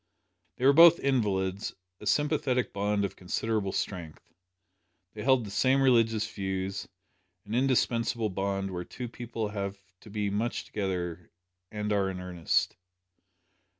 They were both invalids a sympathetic bond of considerable strength. They held the same religious views an indispensable bond where two people have to be much together, and are in earnest.